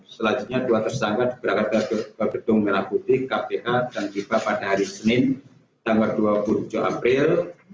selanjutnya dua tersangka diberangkatkan ke gedung merah putih kpk dan tiba pada hari senin tanggal dua puluh tujuh april